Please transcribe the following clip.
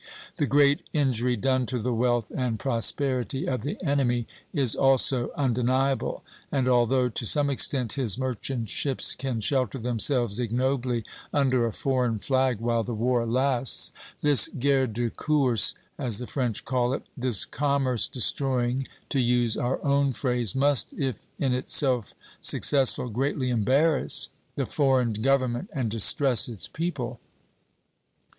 The great injury done to the wealth and prosperity of the enemy is also undeniable; and although to some extent his merchant ships can shelter themselves ignobly under a foreign flag while the war lasts, this guerre de course, as the French call it, this commerce destroying, to use our own phrase, must, if in itself successful, greatly embarrass the foreign government and distress its people.